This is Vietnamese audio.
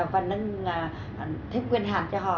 và nâng thêm quyền hàm cho họ